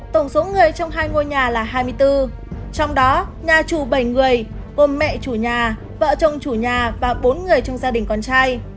tổng số người trong hai ngôi nhà là hai mươi bốn trong đó nhà chủ bảy người gồm mẹ chủ nhà vợ chồng chủ nhà và bốn người trong gia đình con trai